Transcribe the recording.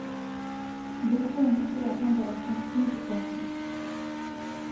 Beaucoup en effet attendent la version Steam pour se lancer.